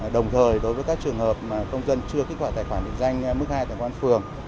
đồng thời đối với các trường hợp công dân chưa kích hoạt tài khoản định danh mức hai tại công an phường